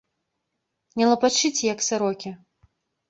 Не лапачыце, як сарокі!